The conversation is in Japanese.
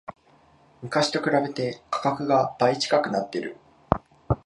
昔と比べて価格が倍近くなってる